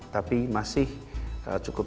tapi masih cukup